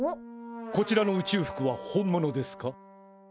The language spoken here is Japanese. こちらの宇宙服は本物ですか？